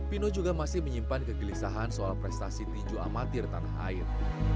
pino juga masih menyimpan kegelisahan soal prestasi tinju amatir tanah air